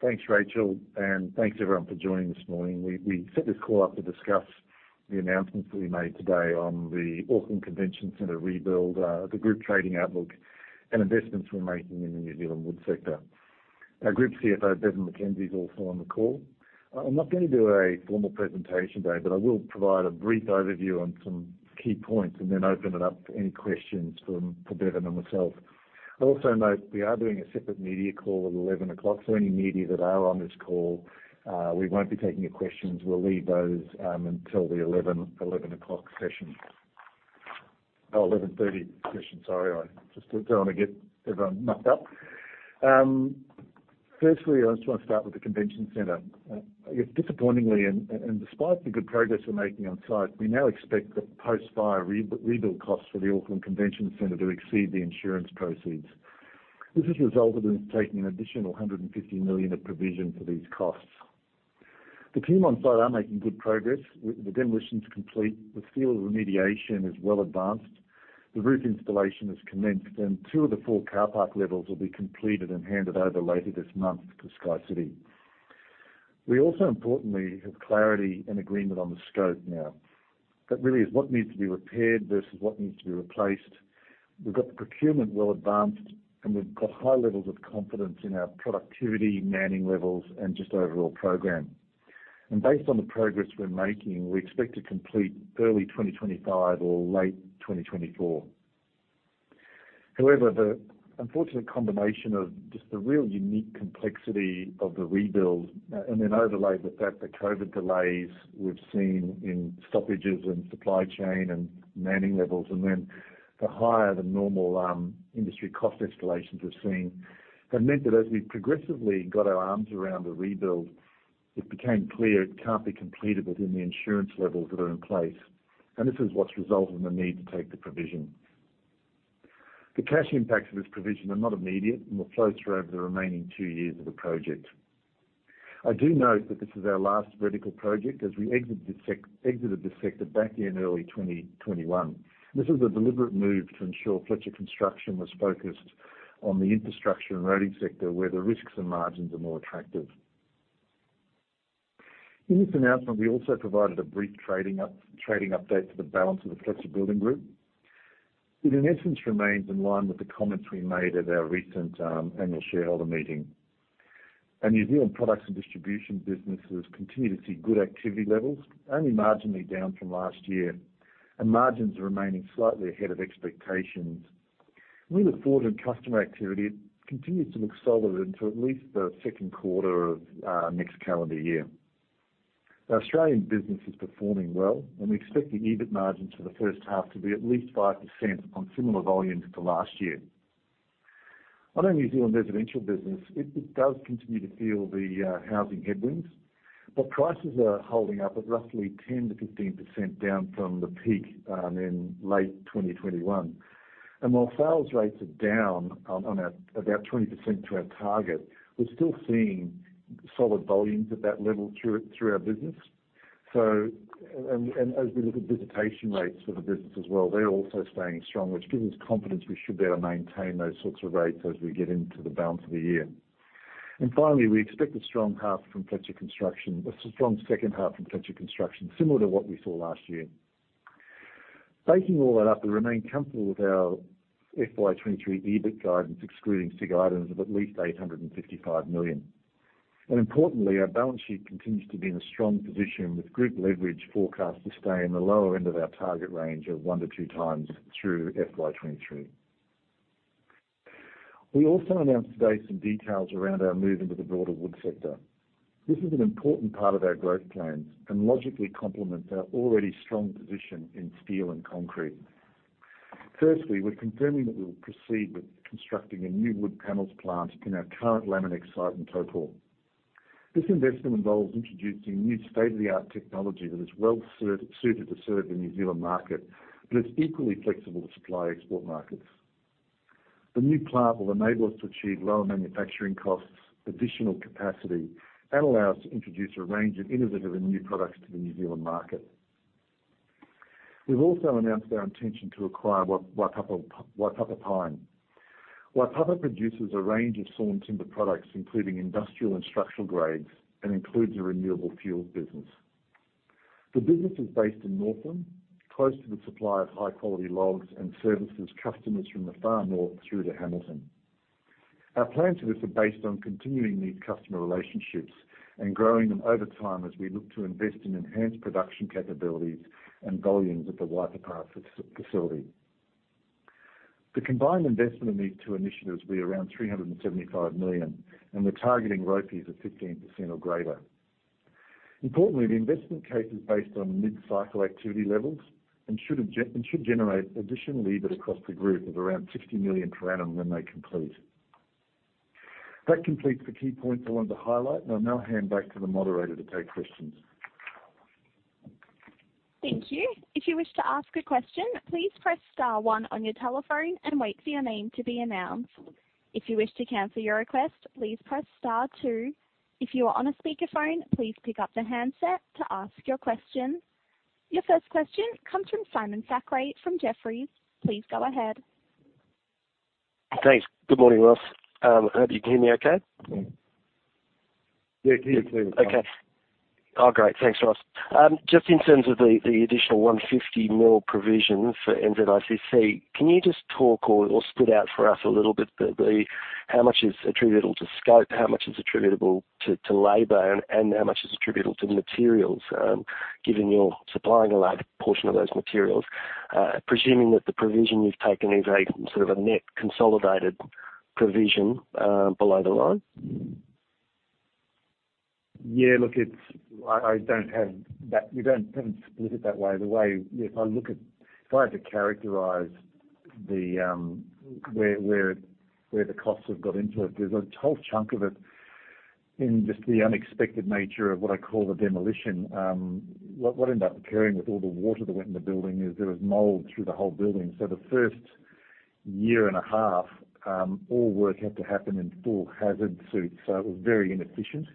Thanks, Rachel. Thanks everyone for joining this morning. We set this call up to discuss the announcements that we made today on the Auckland Convention Center rebuild, the group trading outlook, and investments we're making in the New Zealand wood sector. Our Group CFO, Bevan McKenzie, is also on the call. I'm not gonna do a formal presentation today. I will provide a brief overview on some key points and then open it up to any questions for Bevan and myself. Also note, we are doing a separate media call at 11:00 A.M. Any media that are on this call, we won't be taking your questions. We'll leave those until the 11:00 A.M. session. 11:30 A.M. session, sorry. I just don't wanna get everyone mucked up. Firstly, I just want to start with the convention center. Disappointingly, and despite the good progress we're making on site, we now expect that post-fire rebuild costs for the Auckland Convention Center to exceed the insurance proceeds. This has resulted in us taking an additional 150 million of provision for these costs. The team on site are making good progress. The demolition is complete, the steel remediation is well advanced, the roof installation has commenced, and two of the four car park levels will be completed and handed over later this month to SkyCity. We also importantly have clarity and agreement on the scope now. That really is what needs to be repaired versus what needs to be replaced. We've got the procurement well advanced, and we've got high levels of confidence in our productivity, manning levels, and just overall program. Based on the progress we're making, we expect to complete early 2025 or late 2024. However, the unfortunate combination of just the real unique complexity of the rebuild, and then overlaid with that the COVID delays we've seen in stoppages and supply chain and manning levels, and then the higher than normal industry cost escalations we've seen, have meant that as we progressively got our arms around the rebuild, it became clear it can't be completed within the insurance levels that are in place. This is what's resulted in the need to take the provision. The cash impacts of this provision are not immediate and will flow through over the remaining two years of the project. I do note that this is our last vertical project as we exited this sector back in early 2021. This was a deliberate move to ensure Fletcher Construction was focused on the infrastructure and roading sector where the risks and margins are more attractive. In this announcement, we also provided a brief trading update to the balance of the Fletcher Building Group. It in essence remains in line with the comments we made at our recent Annual Shareholder Meeting. Our New Zealand products and distribution businesses continue to see good activity levels, only marginally down from last year, and margins are remaining slightly ahead of expectations. Customer activity continues to look solid into at least the second quarter of next calendar year. The Australian business is performing well, and we expect the EBIT margin for the first half to be at least 5% on similar volumes to last year. On our New Zealand residential business, it does continue to feel the housing headwinds. Prices are holding up at roughly 10%-15% down from the peak in late 2021. While sales rates are down on our about 20% to our target, we're still seeing solid volumes at that level through our business. As we look at visitation rates for the business as well, they're also staying strong, which gives us confidence we should be able to maintain those sorts of rates as we get into the balance of the year. Finally, we expect a strong second half from Fletcher Construction, similar to what we saw last year. Baking all that up, we remain comfortable with our FY 2023 EBIT guidance, excluding sig items of at least 855 million. Importantly, our balance sheet continues to be in a strong position, with group leverage forecast to stay in the lower end of our target range of 1-2 times through FY 2023. We also announced today some details around our move into the broader wood sector. This is an important part of our growth plans and logically complements our already strong position in steel and concrete. Firstly, we're confirming that we'll proceed with constructing a new wood panels plant in our current Laminex site in Taupō. This investment involves introducing new state-of-the-art technology that is well suited to serve the New Zealand market, but it's equally flexible to supply export markets. The new plant will enable us to achieve lower manufacturing costs, additional capacity, and allow us to introduce a range of innovative and new products to the New Zealand market. We've also announced our intention to acquire Waipapa Pine. Waipapa produces a range of sawn timber products, including industrial and structural grades, and includes a renewable fuels business. The business is based in Northland, close to the supply of high-quality logs, and services customers from the Far North through to Hamilton. Our plans for this are based on continuing these customer relationships and growing them over time as we look to invest in enhanced production capabilities and volumes at the Waipapa facility. The combined investment in these two initiatives will be around 375 million, and we're targeting ROPIs of 15% or greater. Importantly, the investment case is based on mid-cycle activity levels and should generate additional EBIT across the group of around 60 million per annum when they complete. That completes the key points I wanted to highlight, I'll now hand back to the moderator to take questions. Thank you. If you wish to ask a question, please press star one on your telephone and wait for your name to be announced. If you wish to cancel your request, please press star two. If you are on a speakerphone, please pick up the handset to ask your question. Your first question comes from Simon Thackray from Jefferies. Please go ahead. Thanks. Good morning, Ross. I hope you can hear me okay. Yeah. Yeah, can hear you fine. Okay. Oh, great. Thanks, Ross. Just in terms of the additional 150 mil provision for NZICC, can you just talk or spit out for us a little bit how much is attributable to scope, how much is attributable to labor, and how much is attributable to materials, given you're supplying a large portion of those materials, presuming that the provision you've taken is a sort of a net consolidated provision below the line? Yeah, look, I don't have that. We don't split it that way. If I had to characterize the where the costs have got into it, there's a whole chunk of it in just the unexpected nature of what I call the demolition. What ended up occurring with all the water that went in the building is there was mold through the whole building. The first year and a half, all work had to happen in full hazard suits, so it was very inefficient.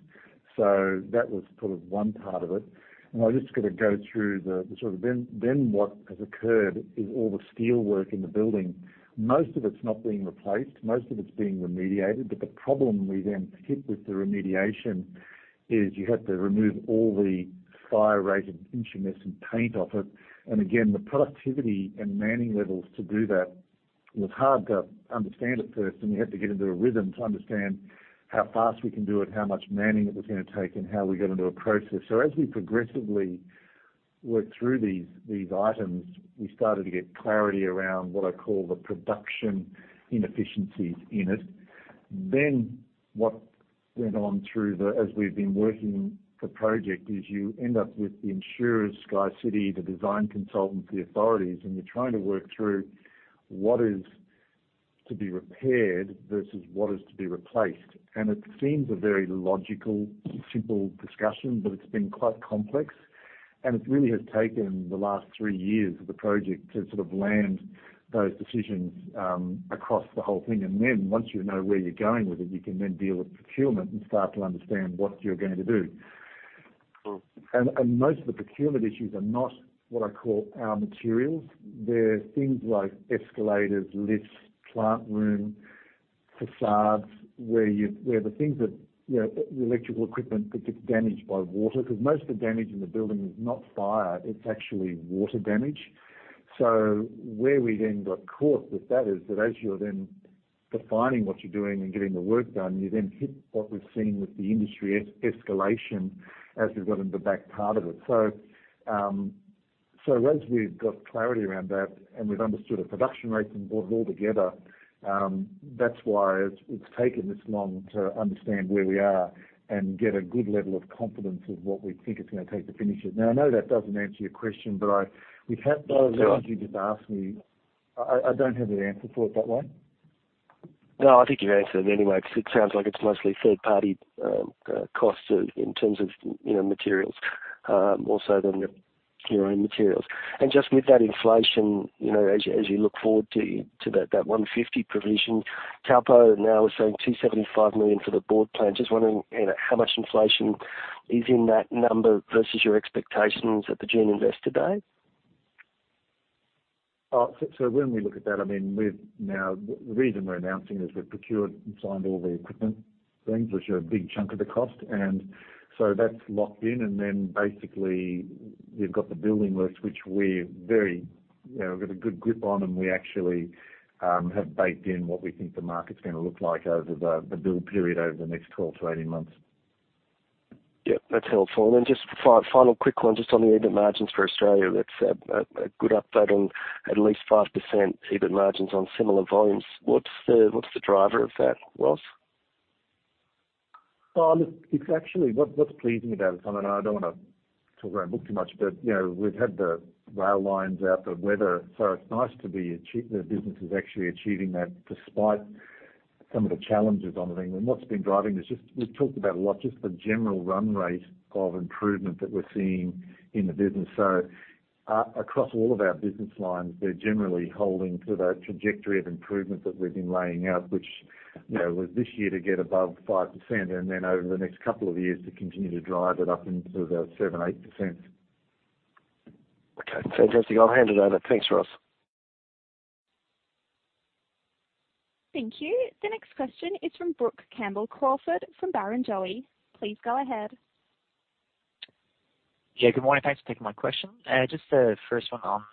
That was sort of one part of it. I'm just gonna go through the sort of... Then what has occurred is all the steelwork in the building, most of it's not being replaced. Most of it's being remediated. The problem we then hit with the remediation is you have to remove all the fire-rated intumescent paint off it. Again, the productivity and manning levels to do that was hard to understand at first, and we had to get into a rhythm to understand how fast we can do it, how much manning it was gonna take, and how we got into a process. As we progressively worked through these items, we started to get clarity around what I call the production inefficiencies in it. What went on through the-- as we've been working the project is you end up with the insurer, SkyCity, the design consultant, the authorities, and you're trying to work through what is to be repaired versus what is to be replaced. It seems a very logical, simple discussion, but it's been quite complex. It really has taken the last three years of the project to sort of land those decisions across the whole thing. Once you know where you're going with it, you can then deal with procurement and start to understand what you're going to do. Cool. Most of the procurement issues are not what I call our materials. They're things like escalators, lifts, plant room, facades, where the things that, you know, electrical equipment that gets damaged by water, 'cause most of the damage in the building is not fire, it's actually water damage. Where we then got caught with that is that as you're then defining what you're doing and getting the work done, you then hit what we've seen with the industry escalation as we've got into the back part of it. As we've got clarity around that and we've understood the production rates and brought it all together, that's why it's taken this long to understand where we are and get a good level of confidence of what we think it's gonna take to finish it. I know that doesn't answer your question, but... It's all right. a lot of people just ask me. I don't have an answer for it that way. No, I think you've answered it anyway, 'cause it sounds like it's mostly third-party, costs in terms of, you know, materials, also than your own materials. Just with that inflation, you know, as you look forward to that 150 provision, Taupō now is saying 275 million for the board plan. Just wondering, you know, how much inflation is in that number versus your expectations at the June Investor Day? Oh, so when we look at that, I mean, The reason we're announcing is we've procured and signed all the equipment things, which are a big chunk of the cost. That's locked in. Basically we've got the building list, which we're very, you know, got a good grip on, and we actually have baked in what we think the market's gonna look like over the build period over the next 12-18 months. Yep. That's helpful. Just final quick one, just on the EBIT margins for Australia. That's a good update on at least 5% EBIT margins on similar volumes. What's the driver of that, Ross? Well, look, it's actually what's pleasing about it, Simon. I don't wanna talk around book too much, but, you know, we've had the rail lines out, the weather. The business is actually achieving that despite some of the challenges on it. I mean, what's been driving is just we've talked about a lot, just the general run rate of improvement that we're seeing in the business. Across all of our business lines, we're generally holding to the trajectory of improvement that we've been laying out, which, you know, was this year to get above 5% and then over the next couple of years to continue to drive it up into the 7%, 8%. Okay. Fantastic. I'll hand it over. Thanks, Ross. Thank you. The next question is from Brook Campbell-Crawford from Barrenjoey. Please go ahead. Yeah, good morning. Thanks for taking my question. Just the first one on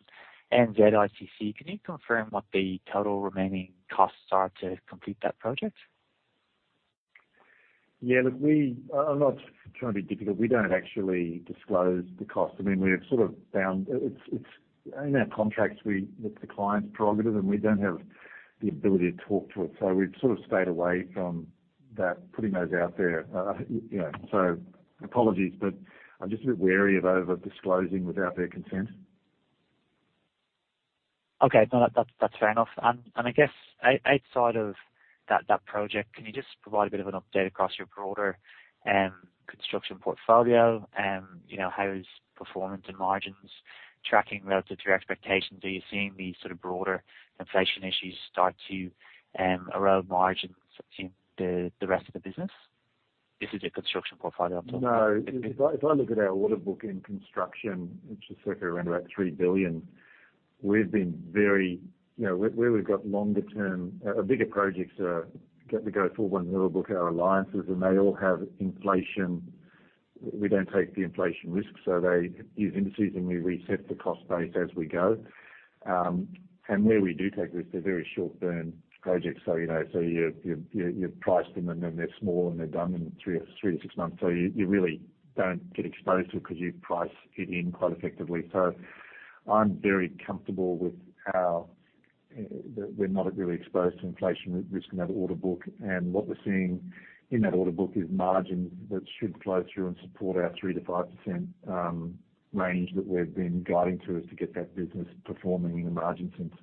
NZICC. Can you confirm what the total remaining costs are to complete that project? Yeah, look, we are not trying to be difficult. We don't actually disclose the cost. I mean, we've sort of found. It's in our contracts, it's the client's prerogative, and we don't have the ability to talk to it. We've sort of stayed away from that, putting those out there. You know, apologies, but I'm just a bit wary of over-disclosing without their consent. Okay. No, that's fair enough. I guess outside of that project, can you just provide a bit of an update across your broader construction portfolio? You know, how is performance and margins tracking relative to your expectations? Are you seeing the sort of broader inflation issues start to erode margins in the rest of the business? This is a construction profile too. No. If I look at our order book in construction, it's just circa around about 3 billion. You know, where we've got longer term, bigger projects that are yet to go forward in the order book, our alliances, and they all have inflation. We don't take the inflation risk, so they use indices, and we reset the cost base as we go. Where we do take risk, they're very short-term projects. You know, so you price them, and then they're small, and they're done in three-six months. You really don't get exposed to it because you price it in quite effectively. I'm very comfortable with how we're not really exposed to inflation risk in that order book. What we're seeing in that order book is margins that should flow through and support our 3%-5% range that we've been guiding to, is to get that business performing in a margin sense.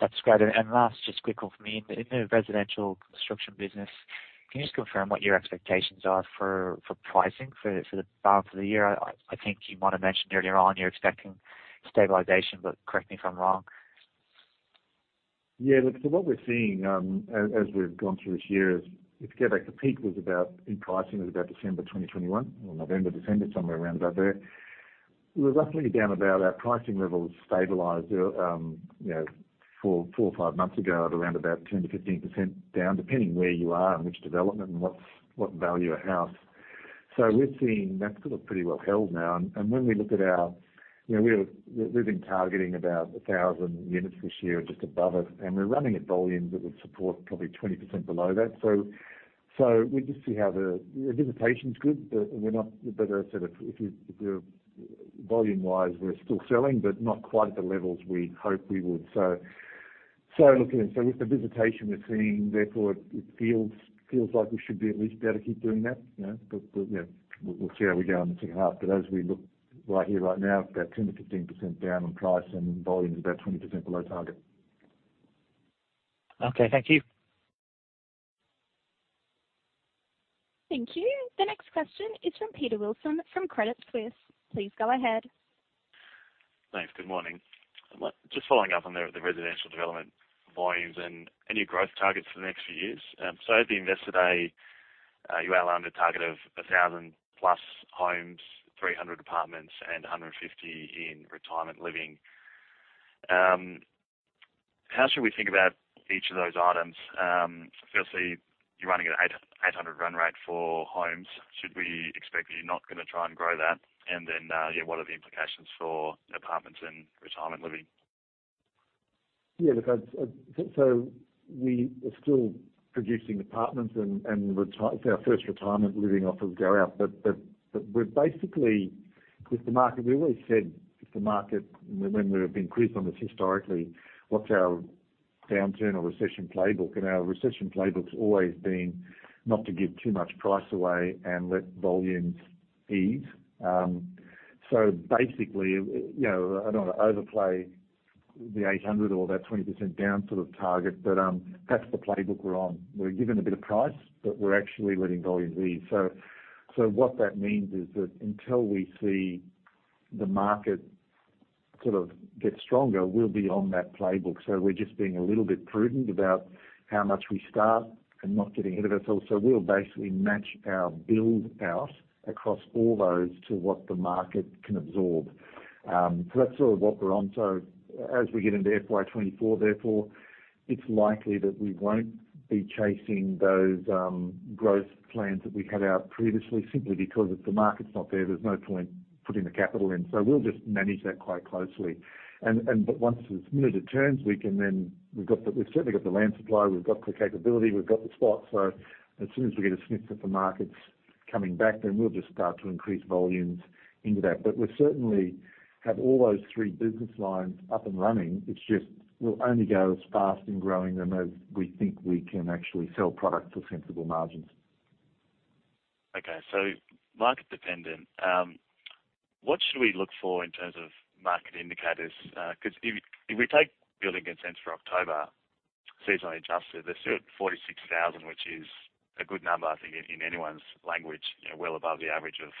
That's great. Last, just quickly for me. In the residential construction business, can you just confirm what your expectations are for pricing for the balance of the year? I think you might have mentioned earlier on you're expecting stabilization, correct me if I'm wrong. Yeah. Look, what we're seeing, as we've gone through this year is if you go back to peak, was about in pricing December 2021 or November, December, somewhere around about there. We're roughly down about our pricing levels stabilized, you know, four or five months ago at around about 10%-15% down, depending where you are in which development and what value of house. We've seen that's sort of pretty well held now. When we look at our... You know, we've been targeting about 1,000 units this year or just above it, and we're running at volumes that would support probably 20% below that. We just see how the... Visitation is good. As I said, volume-wise, we're still selling, but not quite at the levels we hoped we would. Looking at some of the visitation we're seeing, therefore it feels like we should be at least able to keep doing that. You know? Yeah, we'll see how we go in the second half. As we look right here, right now, it's about 10%-15% down on price and volumes about 20% below target. Okay, thank you. Thank you. The next question is from Peter Wilson from Credit Suisse. Please go ahead. Thanks. Good morning. Just following up on the residential development volumes and any growth targets for the next few years. At the Investor Day, you outlined a target of 1,000+ homes, 300 apartments and 150 in retirement living. How should we think about each of those items? Firstly, you're running at 800 run rate for homes. Should we expect that you're not gonna try and grow that? Then, what are the implications for apartments and retirement living? Yeah, look, I So we are still producing apartments and our first retirement living offer will go out. We're basically, with the market, we've always said if the market, when we've been quizzed on this historically, what's our downturn or recession playbook? Our recession playbook's always been not to give too much price away and let volumes ease. Basically, you know, I don't want to overplay the 800 or that 20% down sort of target, but that's the playbook we're on. We're giving a bit of price, but we're actually letting volumes ease. What that means is that until we see the market sort of get stronger, we'll be on that playbook. We're just being a little bit prudent about how much we start and not get ahead of ourselves. We'll basically match our build out across all those to what the market can absorb. That's sort of what we're on. As we get into FY 2024, therefore, it's likely that we won't be chasing those growth plans that we had out previously. Simply because if the market's not there's no point putting the capital in. We'll just manage that quite closely. Once the minute it turns, we've certainly got the land supply. We've got the capability. We've got the spots. As soon as we get a sniff that the market's coming back, we'll just start to increase volumes into that. We certainly have all those three business lines up and running. It's just we'll only go as fast in growing them as we think we can actually sell product for sensible margins. Okay, so market dependent. What should we look for in terms of market indicators? Because if we take building consents for October, seasonally adjusted, they're still at 46,000, which is a good number, I think, in anyone's language, you know, well above the average of,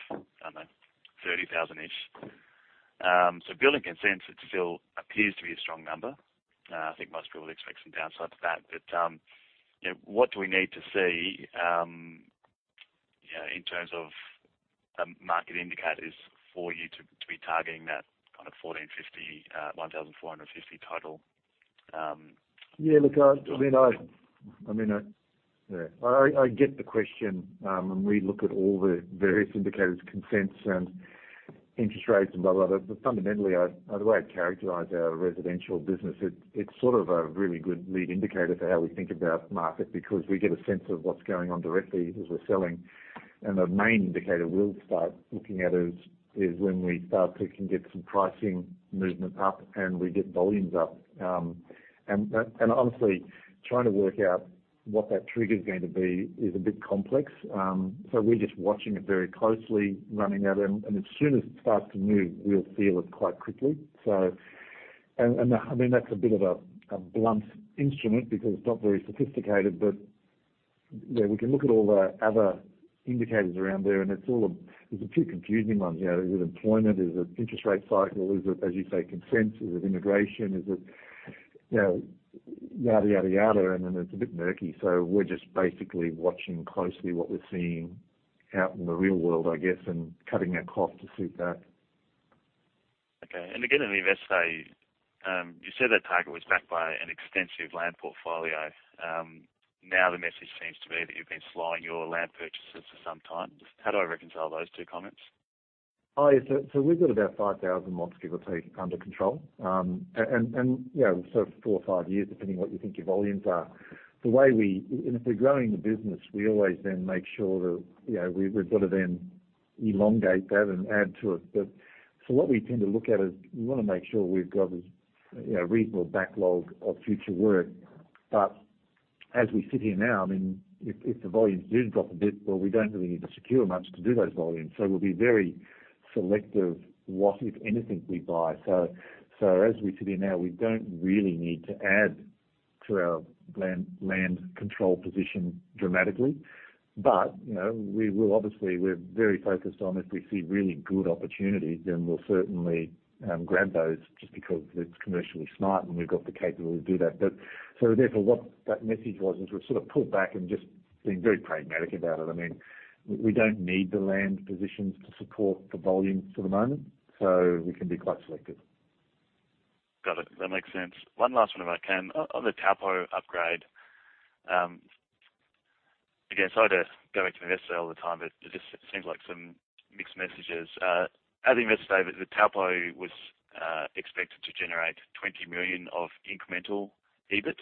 I don't know, 30,000-ish. Building consents, it still appears to be a strong number. I think most people expect some downside to that, but, you know, what do we need to see, you know, in terms of market indicators for you to be targeting that kind of 1,450, 1,450 total? Yeah, look, I mean, I get the question. We look at all the various indicators, consents and interest rates and blah, blah. Fundamentally, the way I'd characterize our residential business, it's sort of a really good lead indicator for how we think about market, because we get a sense of what's going on directly as we're selling. The main indicator we'll start looking at is when we start to can get some pricing movement up and we get volumes up. Honestly, trying to work out what that trigger is going to be is a bit complex. We're just watching it very closely, running that. As soon as it starts to move, we'll feel it quite quickly. I mean, that's a bit of a blunt instrument because it's not very sophisticated, but yeah, we can look at all the other indicators around there, and it's all there's a few confusing ones. You know, is it employment? Is it interest rate cycle? Is it, as you say, consent? Is it immigration? Is it, you know, yada, yada, it's a bit murky. We're just basically watching closely what we're seeing out in the real world, I guess, and cutting our cloth to suit that. Okay. Again, in the Investor Day, you said that target was backed by an extensive land portfolio. Now the message seems to be that you've been slowing your land purchases for some time. How do I reconcile those two comments? Oh, yes. So we've got about 5,000 months, give or take, under control. And, you know, so four or five years, depending on what you think your volumes are. If we're growing the business, we always then make sure that, you know, we've got to then elongate that and add to it. What we tend to look at is we wanna make sure we've got a, you know, reasonable backlog of future work. As we sit here now, I mean, if the volumes do drop a bit, well, we don't really need to secure much to do those volumes. We'll be very selective what, if anything, we buy. As we sit here now, we don't really need to add to our land control position dramatically. You know, we will obviously. We're very focused on if we see really good opportunities, then we'll certainly, grab those just because it's commercially smart and we've got the capability to do that. Therefore what that message was is we've sort of pulled back and just been very pragmatic about it. I mean, we don't need the land positions to support the volumes for the moment, so we can be quite selective. Got it. That makes sense. One last one if I can. On the Taupō upgrade, again, sorry to go back to the invest day all the time, but there just seems like some mixed messages. At the invest day, the Taupō was expected to generate 20 million of incremental EBIT.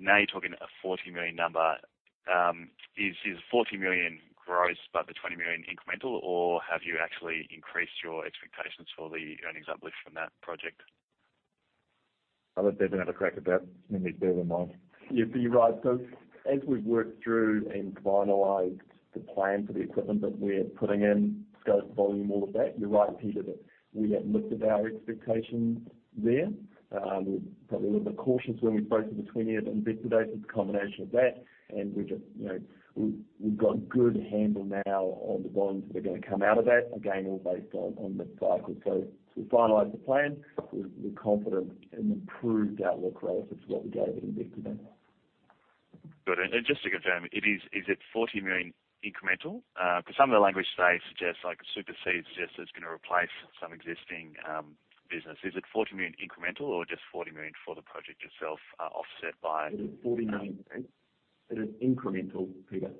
Now you're talking a 40 million number. Is 40 million gross, but the 20 million incremental, or have you actually increased your expectations for the earnings uplift from that project? I'll let Bevan have a crack at that, and then Bevan McKenzie. Yeah. You're right. As we've worked through and finalized the plan for the equipment that we're putting in, scope, volume, all of that, you're right, Peter, that we have lifted our expectations there. We were probably a little bit cautious when we spoke to the 20-yearInvestor Day. It's a combination of that. We're just, you know, we've got a good handle now on the volumes that are gonna come out of that. Again, all based on the cycle. To finalize the plan, we're confident in the improved outlook relative to what we gave at Investor Day. Good. Just to confirm, is it 40 million incremental? because some of the language today suggests like a supersede that it's going to replace some existing business. Is it 40 million incremental or just 40 million for the project itself, offset by? 40 million. It is incremental, Peter.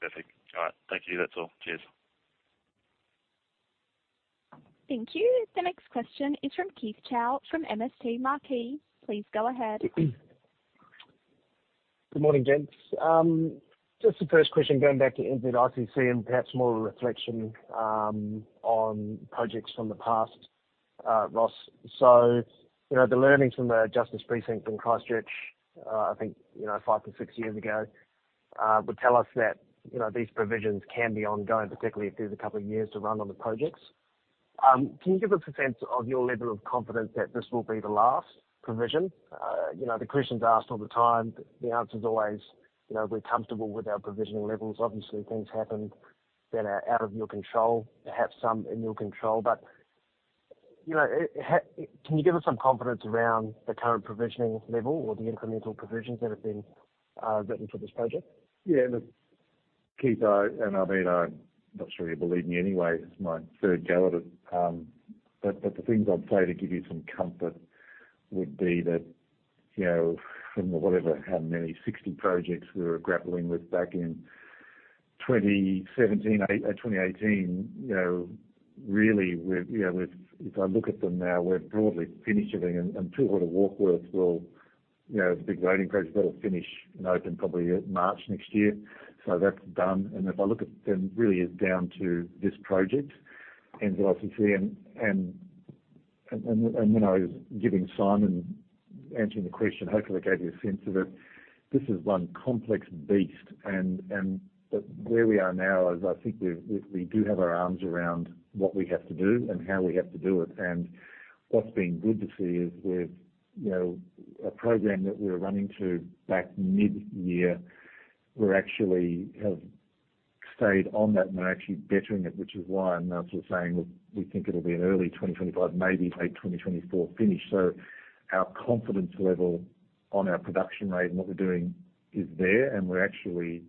Perfect. All right. Thank you. That's all. Cheers. Thank you. The next question is from Keith Chau from MST Marquee. Please go ahead. Good morning, gents. Just the first question, going back to NZICC and perhaps more a reflection on projects from the past, Ross. You know, the learnings from the Justice Precinct in Christchurch, I think, you know, five to six years ago, would tell us that, you know, these provisions can be ongoing, particularly if there's a couple of years to run on the projects. Can you give us a sense of your level of confidence that this will be the last provision? You know, the question's asked all the time. The answer's always, you know, we're comfortable with our provisioning levels. Obviously, things happen that are out of your control, perhaps some in your control, but, you know, how... Can you give us some confidence around the current provisioning level or the incremental provisions that have been written for this project? Yeah. Look, Keith, I... I mean, I'm not sure you believe me anyway. It's my third go at it. But the things I'd say to give you some comfort would be that, you know, from the whatever, how many 60 projects we were grappling with back in 2017 or 2018, you know, really we're... If I look at them now, we're broadly finishing. Two Waters Warkworth will, you know, it's a big loading crush. That'll finish and open probably March next year. That's done. If I look at them, really it's down to this project, NZICC. When I was giving Simon, answering the question, hopefully I gave you a sense of it. This is one complex beast and but where we are now is I think we've, we do have our arms around what we have to do and how we have to do it. What's been good to see is we've, you know, a program that we were running to back mid-year. We're actually have stayed on that and are actually bettering it, which is why I'm now sort of saying we think it'll be an early 2025, maybe late 2024 finish. Our confidence level on our production rate and what we're doing is there and we're actually,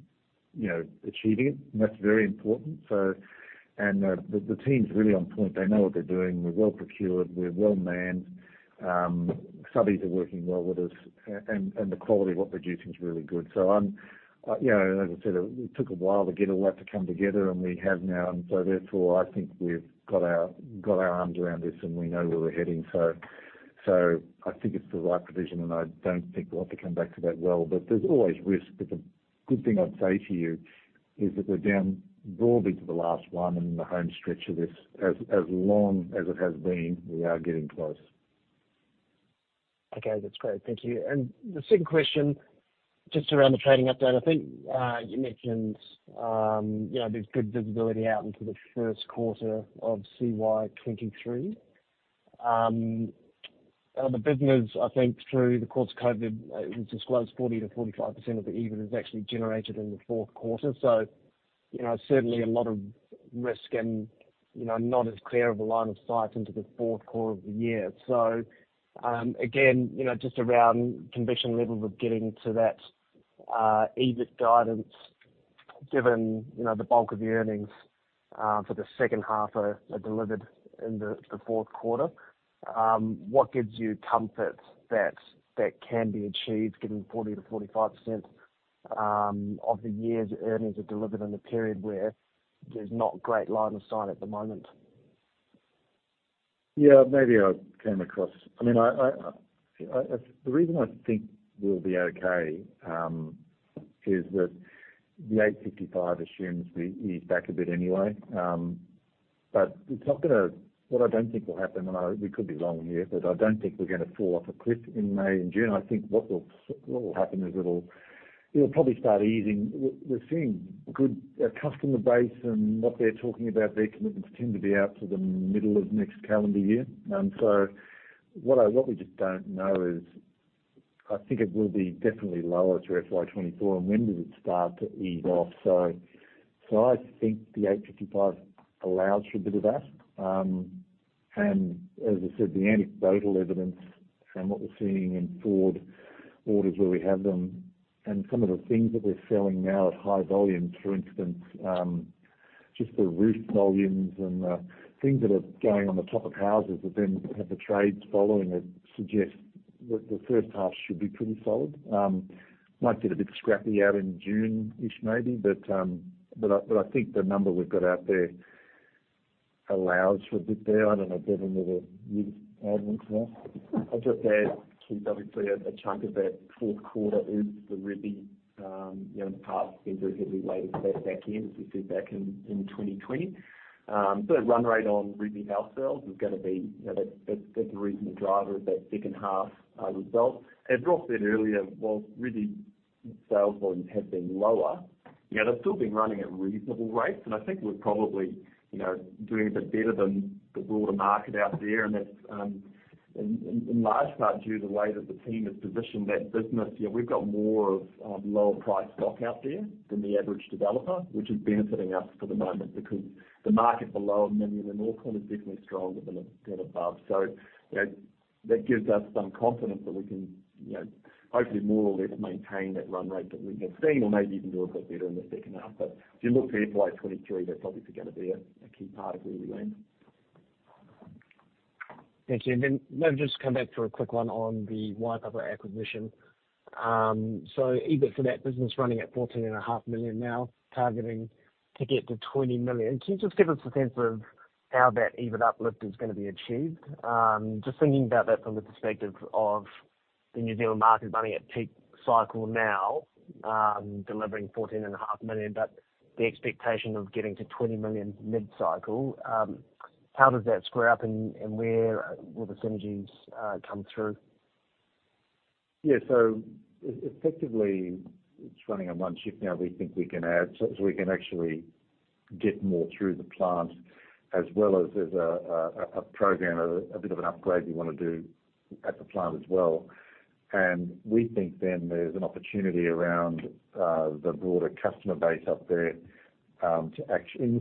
you know, achieving it, and that's very important. The team's really on point. They know what they're doing. We're well procured, we're well manned. Subbies are working well with us and the quality of what we're producing is really good. I'm, you know, as I said, it took a while to get all that to come together, and we have now. Therefore, I think we've got our, got our arms around this, and we know where we're heading. I think it's the right provision, and I don't think we'll have to come back to that well. There's always risk. The good thing I'd say to you is that we're down broadly to the last one and in the home stretch of this. As long as it has been, we are getting close. Okay. That's great. Thank you. The second question, just around the trading update. I think, you mentioned, you know, there's good visibility out into the first quarter of CY 2023. The business, I think through the course of COVID, it was disclosed 40%-45% of the EBIT is actually generated in the fourth quarter. You know, certainly a lot of risk and, you know, not as clear of a line of sight into the fourth quarter of the year. Again, you know, just around conviction levels of getting to that EBIT guidance given, you know, the bulk of the earnings for the second half are delivered in the fourth quarter. What gives you comfort that that can be achieved given 40%-45% of the year's earnings are delivered in a period where there's not great line of sight at the moment? I mean, I, the reason I think we'll be okay is that the 855 assumes we ease back a bit anyway. What I don't think will happen, we could be wrong here, I don't think we're gonna fall off a cliff in May and June. I think what will happen is it'll probably start easing. We're seeing good customer base and what they're talking about, their commitments tend to be out to the middle of next calendar year. What we just don't know is, I think it will be definitely lower through FY 2024 and when does it start to ease off? I think the 855 allows for a bit of that. As I said, the anecdotal evidence from what we're seeing in forward orders where we have them and some of the things that we're selling now at high volumes, for instance, just the roof volumes and things that are going on the top of houses that then have the trades following it suggest that the first half should be pretty solid. Might get a bit scrappy out in June-ish maybe. I think the number we've got out there allows for a bit there. I don't know, Bevan, whether you'd add anything else. I'll just add, Keith, obviously a chunk of that fourth quarter is the Robbie, you know, part that was heavily weighted back in, as we said back in 2020. Run rate on Robbie house sales is gonna be, you know, that's a reasonable driver of that second half result. As Ross said earlier, whilst Robbie sales volumes have been lower, you know, they've still been running at reasonable rates, and I think we're probably, you know, doing a bit better than the broader market out there. That's in large part due to the way that the team has positioned that business. You know, we've got more of lower priced stock out there than the average developer, which is benefiting us for the moment because the market for lower medium in Auckland is definitely stronger than above. That gives us some confidence that we can, you know, hopefully more or less maintain that run rate that we've been seeing or maybe even do a bit better in the second half. If you look to FY23, that's obviously gonna be a key part of where we land. Thank you. Maybe just come back for a quick one on the Waipapa acquisition. EBIT for that business running at 14.5 million now, targeting to get to 20 million. Can you just give us a sense of how that EBIT uplift is gonna be achieved? Just thinking about that from the perspective of the New Zealand market running at peak cycle now, delivering 14.5 million, but the expectation of getting to 20 million mid-cycle, how does that square up, and where will the synergies come through? Yeah. Effectively it's running on one shift now. We think we can add... We can actually get more through the plant as well as there's a program, a bit of an upgrade we wanna do at the plant as well. We think then there's an opportunity around the broader customer base up there, to and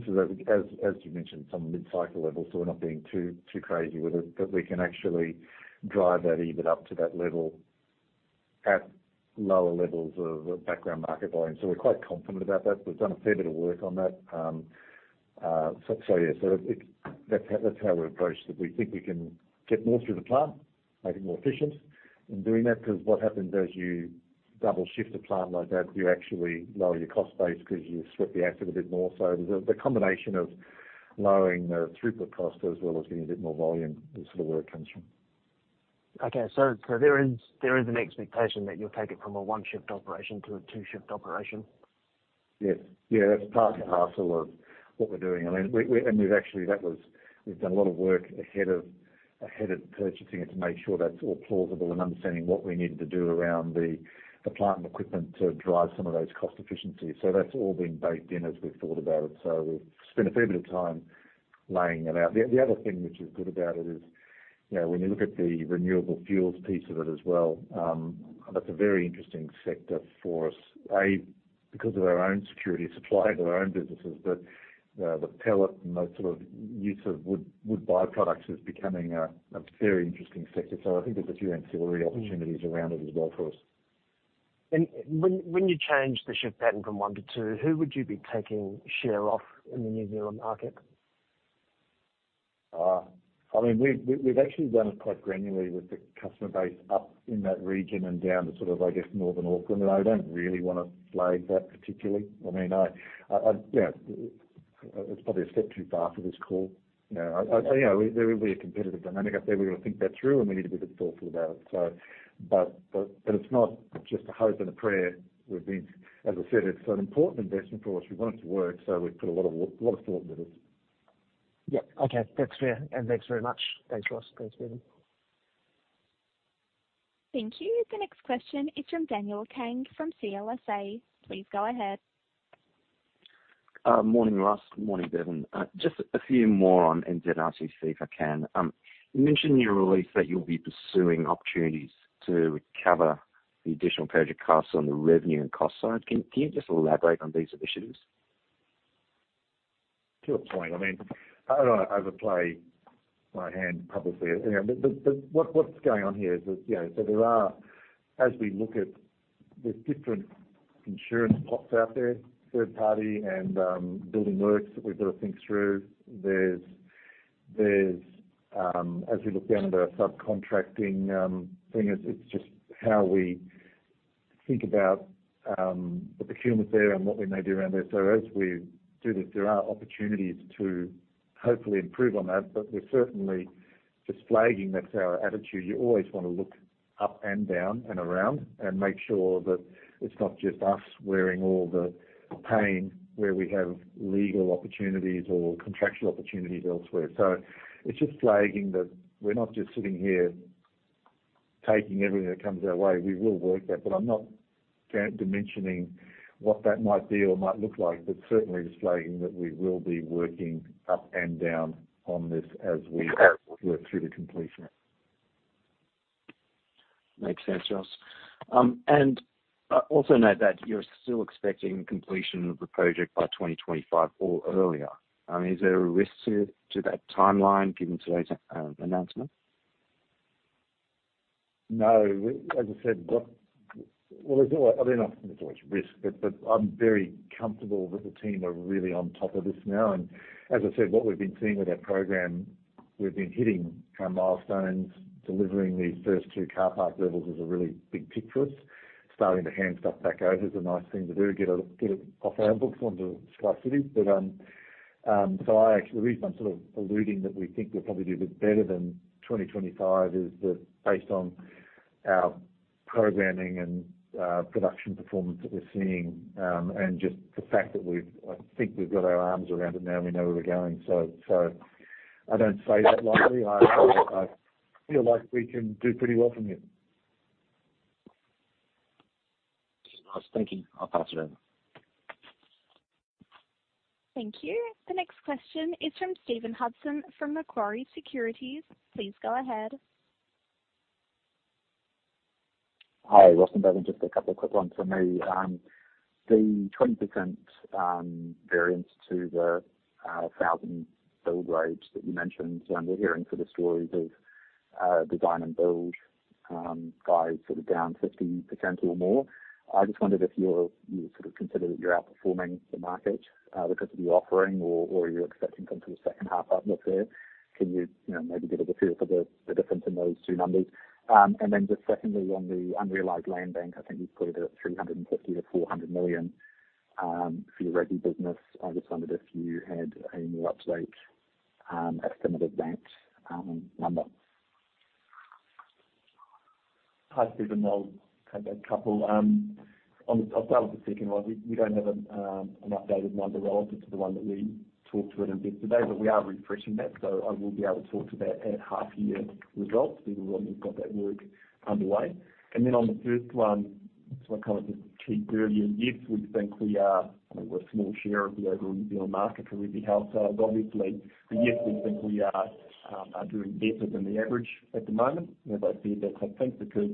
this is at, as you mentioned, some mid-cycle levels, we're not being too crazy with it, that we can actually drive that EBIT up to that level at lower levels of background market volume. We're quite confident about that. We've done a fair bit of work on that. Yeah. That's how we approached it. We think we can get more through the plant, make it more efficient in doing that, 'cause what happens as you double shift a plant like that, you actually lower your cost base 'cause you sweat the asset a bit more. The combination of lowering the throughput cost as well as getting a bit more volume is sort of where it comes from. There is an expectation that you'll take it from a one-shift operation to a two-shift operation? Yes. Yeah, that's part and parcel of what we're doing. I mean, we... We've actually, that was, we've done a lot of work ahead of purchasing it to make sure that's all plausible and understanding what we needed to do around the plant and equipment to drive some of those cost efficiencies. That's all been baked in as we've thought about it. We've spent a fair bit of time laying it out. The other thing which is good about it is, you know, when you look at the renewable fuels piece of it as well, that's a very interesting sector for us. Because of our own security of supply for our own businesses, but the pellet and the sort of use of wood byproducts is becoming a very interesting sector. I think there's a few ancillary opportunities around it as well for us. When you change the shift pattern from one to two, who would you be taking share off in the New Zealand market? I mean, we've actually done it quite granularly with the customer base up in that region and down to sort of, I guess, northern Auckland. I don't really wanna flag that particularly. I mean, yeah, it's probably a step too far for this call. You know, there will be a competitive dynamic up there. We've got to think that through, and we need to be a bit thoughtful about it, so. It's not just a hope and a prayer. As I said, it's an important investment for us. We want it to work, so we've put a lot of thought into this. Yeah. Okay. That's fair, and thanks very much. Thanks, Ross. Thanks, BBevanevan. Thank you. The next question is from Daniel Kang from CLSA. Please go ahead. Morning Ross, morning Bevan. Just a few more on NZICC, if I can. You mentioned in your release that you'll be pursuing opportunities to cover the additional project costs on the revenue and cost side. Can you just elaborate on these initiatives? Sure, Shane. I mean, I don't wanna overplay my hand publicly. You know, but what's going on here is that, you know, there are, as we look at the different insurance pots out there, third party and building works that we've got to think through. There's, as we look down the subcontracting thing, it's just how we think about the procurement there and what we may do around there. As we do this, there are opportunities to hopefully improve on that. We're certainly just flagging that's our attitude. You always wanna look up and down and around and make sure that it's not just us wearing all the pain where we have legal opportunities or contractual opportunities elsewhere. It's just flagging that we're not just sitting here taking everything that comes our way. We will work that, but I'm not dimensioning what that might be or might look like. Certainly just flagging that we will be working up and down on this as we work through the completion. Makes sense, Ross. Also note that you're still expecting completion of the project by 2025 or earlier. I mean, is there a risk to that timeline given today's announcement? No. As I said, Well, there's not, I mean, not there's always risk, but I'm very comfortable that the team are really on top of this now. As I said, what we've been seeing with our program, we've been hitting our milestones, delivering these first two car park levels is a really big tick for us. Starting to hand stuff back over is a nice thing to do, get it off our books onto SkyCity. The reason I'm sort of alluding that we think we'll probably do a bit better than 2025 is that based on our programming and production performance that we're seeing, and just the fact that I think we've got our arms around it now and we know where we're going. I don't say that lightly. I feel like we can do pretty well from here. Nice. Thank you. I'll pass it over. Thank you. The next question is from Stephen Hudson, from Macquarie Securities. Please go ahead. Hi, Ross and Bevan. Just a couple of quick ones from me. The 20% variance to the 1,000 build rates that you mentioned. We're hearing sort of stories of design and build guys sort of down 50% or more. I just wondered if you sort of consider that you're outperforming the market because of your offering or you're expecting some sort of second half up-lift there. Can you know, maybe give a feel for the difference in those two numbers? Secondly, on the unrealized land bank, I think you put it at 350 million-400 million for your resi business. I just wondered if you had any more update estimated banked number. Hi, Stephen. I'll take a couple. I'll start with the second one. We don't have an updated number relative to the one that we talked to it in yesterday, but we are refreshing that. I will be able to talk to that at half-year results. We've already got that work underway. On the first one, I kind of just teased earlier, yes, we think we are, you know, a small share of the overall New Zealand market for resi households, obviously. Yes, we think we are doing better than the average at the moment. As I said, that's I think because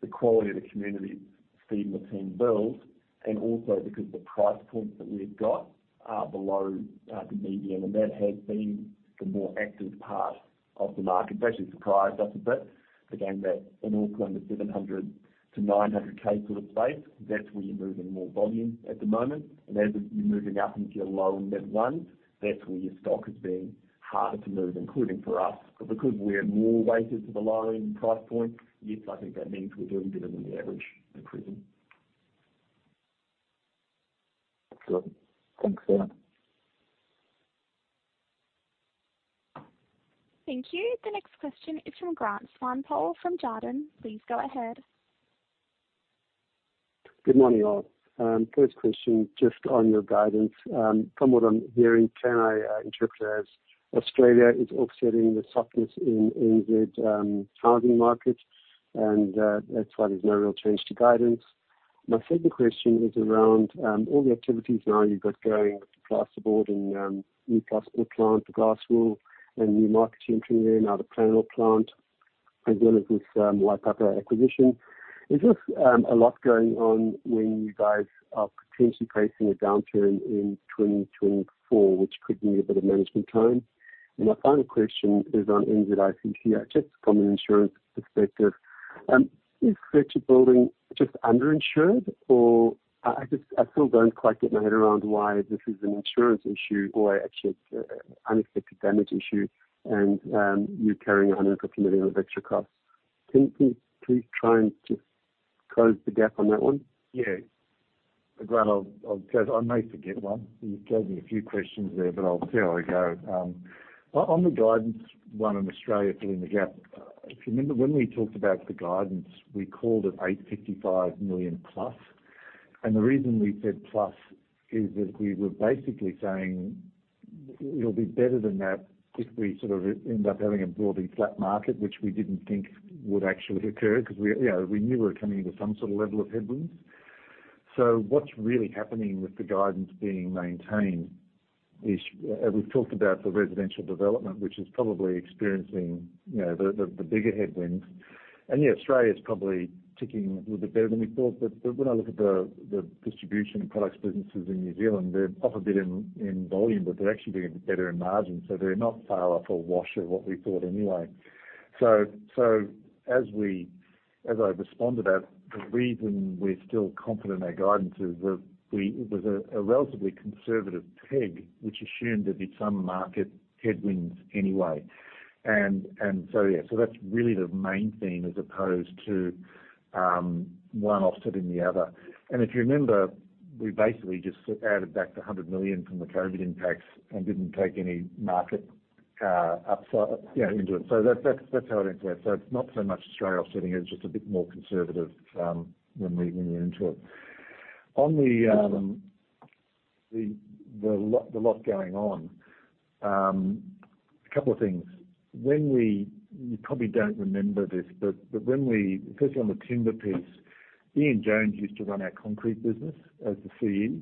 the quality of the community Steve and the team builds and also because the price points that we've got are below the median and that has been the more active part of the market. That's actually surprised us a bit. Again, that in Auckland, the 700,000-900,000 sort of space, that's where you're moving more volume at the moment. As you're moving up into your low and mid ones, that's where your stock has been harder to move, including for us. Because we're more weighted to the lower end price point, yes, I think that means we're doing better than the average at present. Good. Thanks, Bevan. Thank you. The next question is from Grant Swanepoel from Jarden. Please go ahead. Good morning, all. First question, just on your guidance. From what I'm hearing, can I interpret it as Australia is offsetting the softness in the housing market, that's why there's no real change to guidance? My second question is around all the activities now you've got going with the plasterboard and new plasterboard plant, the glass wool and new marketing team there, now the panel plant as well as this Waipapa acquisition. Is this a lot going on when you guys are potentially facing a downturn in 2024, which could need a bit of management time? My final question is on NZICC. Just from an insurance perspective, is Fletcher Building just under-insured or... I just I still don't quite get my head around why this is an insurance issue or actually it's unexpected damage issue and you're carrying 150 million of extra costs. Can you please try and just close the gap on that one? Grant, I may forget one. You gave me a few questions there, but I'll see how I go. On the guidance one on Australia filling the gap. If you remember when we talked about the guidance, we called it 855 million+. The reason we said plus is that we were basically saying it'll be better than that if we sort of end up having a broadly flat market, which we didn't think would actually occur because we, you know, we knew we were coming into some sort of level of headwinds. What's really happening with the guidance being maintained is, we've talked about the residential development, which is probably experiencing, you know, the bigger headwinds. Yeah, Australia is probably ticking a little bit better than we thought. When I look at the distribution products businesses in New Zealand, they're up a bit in volume, but they're actually doing a bit better in margin, so they're not far off or wash of what we thought anyway. As I respond to that, the reason we're still confident in our guidance is that it was a relatively conservative peg which assumed there'd be some market headwinds anyway. Yeah. That's really the main theme as opposed to one offsetting the other. If you remember, we basically just added back the 100 million from the COVID impacts and didn't take any market upside, yeah, into it. That's how it impacts. It's not so much Australia offsetting it. It's just a bit more conservative than we went into it. On the lot going on, a couple of things. You probably don't remember this, but when we, especially on the timber piece, Ian Jones used to run our concrete business as the CE.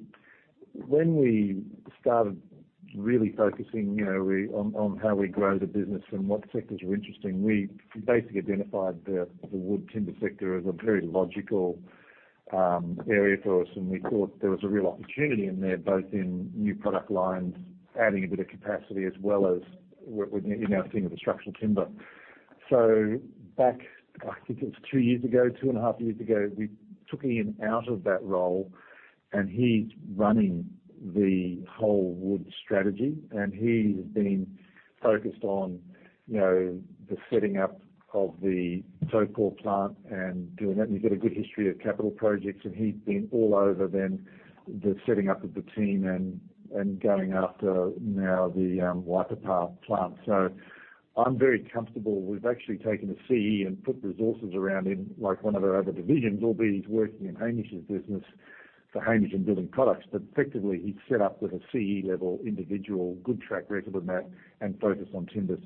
When we started really focusing, you know, on how we grow the business and what sectors are interesting, we basically identified the wood timber sector as a very logical area for us, and we thought there was a real opportunity in there, both in new product lines, adding a bit of capacity as well as in our theme of the structural timber. Back, I think it was two years ago, two and a half years ago, we took Ian out of that role, and he's running the whole wood strategy, and he has been focused on, you know, the setting up of the Tokoroa plant and doing that. He's got a good history of capital projects, and he's been all over then the setting up of the team and going after now the Waipapa plant. I'm very comfortable. We've actually taken a CE and put resources around him, like one of our other divisions, albeit he's working in Hamish's business for Hamish in building products. Effectively, he's set up with a CE-level individual, good track record on that, and focused on timber.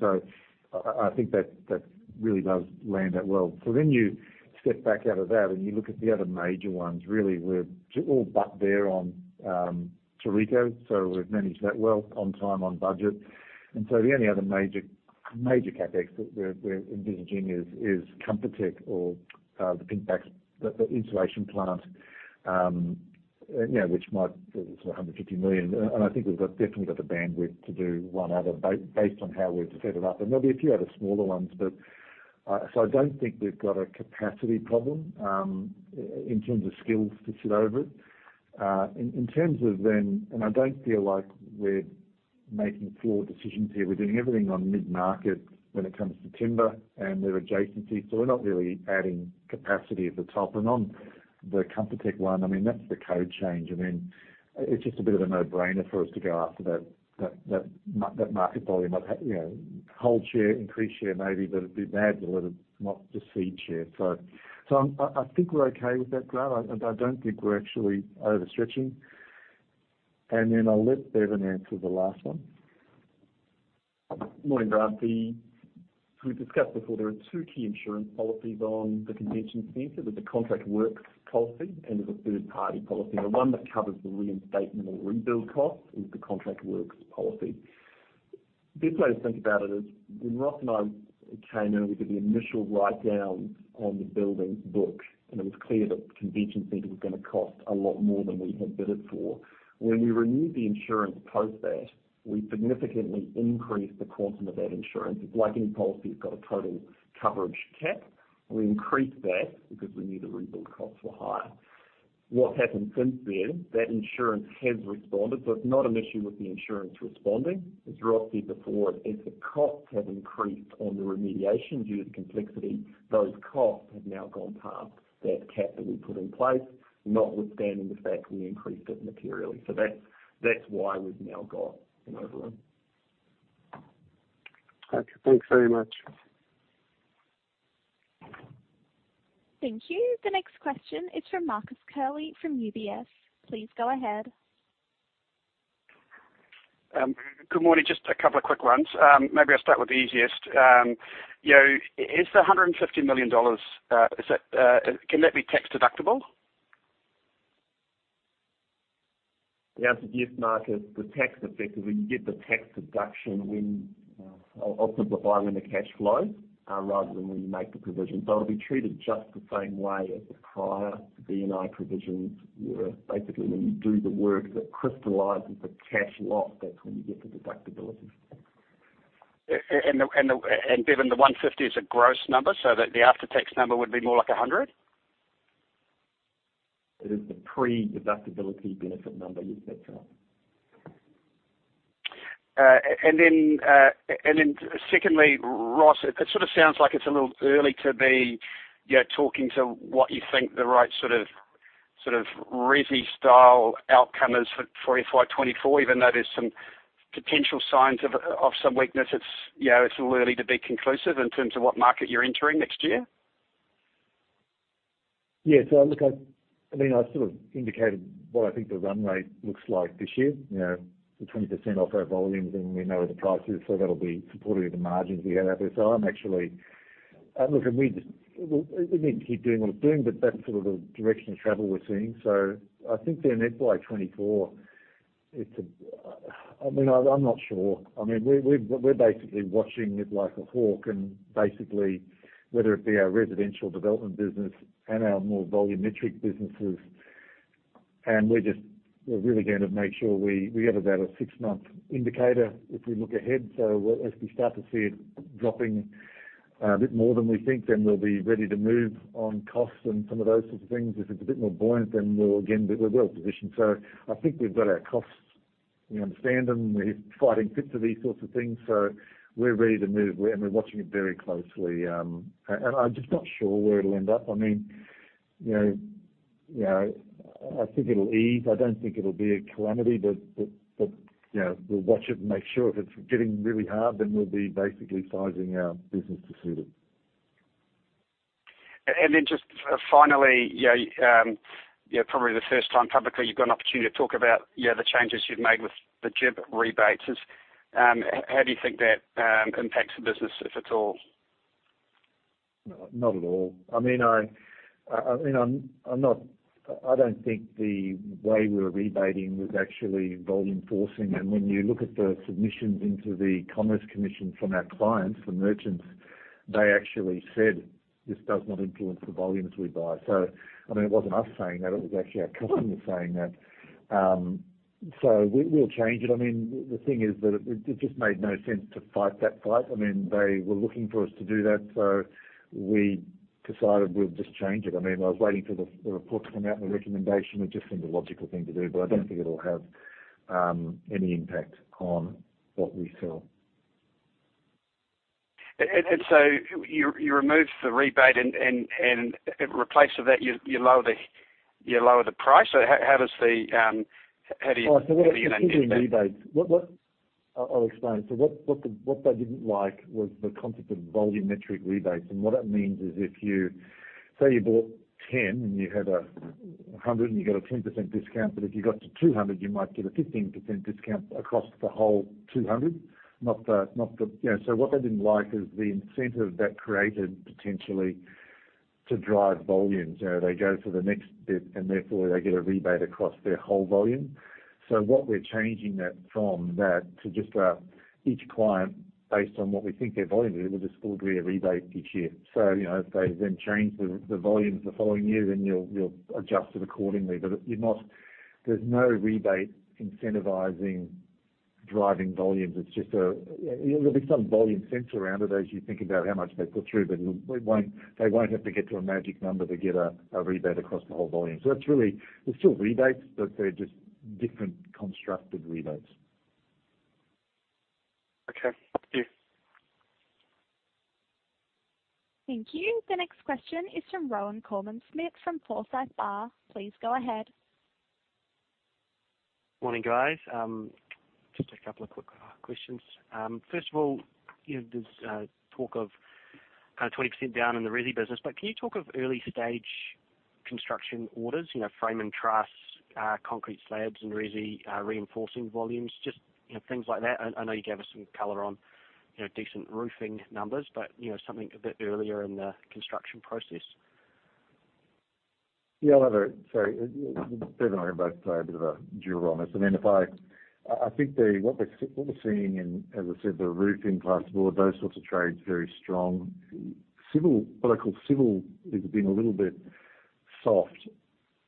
I think that really does land that well. You step back out of that, and you look at the other major ones, really, we're all but there on Tauriko. We've managed that well, on time, on budget. The only other major CapEx that we're envisaging is Comfortech or the Pink Batts, the insulation plant, you know, which it's 150 million. I think we've definitely got the bandwidth to do one other based on how we've set it up. There'll be a few other smaller ones, but so I don't think we've got a capacity problem, in terms of skills to sit over it. In terms of then. I don't feel like we're making poor decisions here. We're doing everything on mid-market when it comes to timber and their adjacencies, so we're not really adding capacity at the top. On the Comfortech one, I mean, that's the code change. I mean, it's just a bit of a no-brainer for us to go after that market volume. You know, hold share, increase share maybe, but it'd be mad to let it not just cede share. I think we're okay with that, Grant. I don't think we're actually overstretching. I'll let Bevan answer the last one. Morning, Grant. We've discussed before there are two key insurance policies on the Convention Centre. There's a contract works policy and there's a third-party policy. The one that covers the reinstatement or rebuild cost is the contract works policy. The best way to think about it is when Ross and I came in, we did the initial write-down on the building book, and it was clear that the Convention Centre was gonna cost a lot more than we had bid it for. When we renewed the insurance post that, we significantly increased the quantum of that insurance. It's like any policy, it's got a total coverage cap. We increased that because we knew the rebuild costs were higher. What's happened since then, that insurance has responded, so it's not an issue with the insurance responding. As Ross said before, as the costs have increased on the remediation due to the complexity, those costs have now gone past that cap that we put in place, notwithstanding the fact we increased it materially. That's why we've now got an overrun. Okay. Thanks very much. Thank you. The next question is from Marcus Curley from UBS. Please go ahead. Good morning. Just a couple of quick ones. Maybe I'll start with the easiest. You know, is the 150 million dollars, is that, can that be tax-deductible? The answer is yes, Marcus. The tax effect is when you get the tax deduction when, obviously by when the cash flow, rather than when you make the provision. It'll be treated just the same way as the prior B+I provisions were. Basically, when you do the work that crystallizes the cash loss, that's when you get the deductibility. Bevan, the 150 is a gross number so that the after-tax number would be more like 100? It is the pre-deductibility benefit number. Yes, that's right. Secondly, Ross, it sort of sounds like it's a little early to be, you know, talking to what you think the right sort of resi-style outcome is for FY 2024, even though there's some potential signs of some weakness. It's, you know, it's a little early to be conclusive in terms of what market you're entering next year? Look, I mean, I sort of indicated what I think the run rate looks like this year, you know, we're 20% off our volumes, and we know what the price is, so that'll be supportive of the margins we have out there. I'm actually... Look, we just need to keep doing what we're doing, but that's sort of the direction of travel we're seeing. I think FY 2024, I mean, I'm not sure. I mean, we're basically watching it like a hawk and basically whether it be our residential development business and our more volumetric businesses, we're just, we're really going to make sure we have about a six-month indicator if we look ahead. As we start to see it dropping a bit more than we think, then we'll be ready to move on costs and some of those sorts of things. If it's a bit more buoyant, then we'll again, we're well positioned. I think we've got our costs, we understand them. We're fighting fits of these sorts of things, so we're ready to move, and we're watching it very closely. And I'm just not sure where it'll end up. I mean, you know, I think it'll ease. I don't think it'll be a calamity, but, you know, we'll watch it and make sure if it's getting really hard, then we'll be basically sizing our business to suit it. Then just finally, probably the first time publicly, you've got an opportunity to talk about the changes you've made with the GIB rebates. How do you think that impacts the business, if at all? Not at all. I mean, I, you know, I don't think the way we were rebating was actually volume forcing. When you look at the submissions into the Commerce Commission from our clients, the merchants, they actually said, "This does not influence the volumes we buy." I mean, it wasn't us saying that. It was actually our customers saying that. We, we'll change it. I mean, the thing is that it just made no sense to fight that fight. I mean, they were looking for us to do that. We decided we'll just change it. I mean, I was waiting for the report to come out and the recommendation. It just seemed the logical thing to do, but I don't think it'll have any impact on what we sell. You removed the rebate and in replace of that you lower the price, or how does the, how do you? Oh. How do you manage that? The rebates. What... I'll explain. What they didn't like was the concept of volumetric rebates. What that means is if you... Say you bought 10 and you had 100 and you get a 10% discount, but if you got to 200, you might get a 15% discount across the whole 200, not the... You know. What they didn't like is the incentive that created potentially to drive volumes. You know, they go for the next bit, and therefore they get a rebate across their whole volume. What we're changing that from that to just each client based on what we think their volume is, we'll just order you a rebate each year. You know, if they then change the volumes the following year, then you'll adjust it accordingly. There's no rebate incentivizing driving volumes. It's just, there'll be some volume sense around it as you think about how much they put through, but they won't have to get to a magic number to get a rebate across the whole volume. That's really, they're still rebates, but they're just different constructed rebates. Okay. Thank you. Thank you. The next question is from Rohan Koreman-Smit from Forsyth Barr. Please go ahead. Morning, guys. Just a couple of quick questions. First of all, you know, there's talk of kind of 20% down in the resi business. Can you talk of early stage construction orders, you know, frame and truss, concrete slabs and resi, reinforcing volumes, just, you know, things like that. I know you gave us some color on, you know, decent roofing numbers. Something a bit earlier in the construction process. I'll have a. Sorry. Bevan and I are both a bit of a dual on this. I mean, if I. I think what we're seeing and as I said, the roofing, plasterboard, those sorts of trades, very strong. Civil, what I call civil has been a little bit soft,